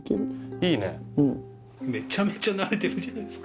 ・いいね・・めちゃめちゃなれてるじゃないですか・